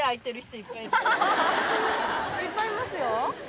いっぱいいますよ。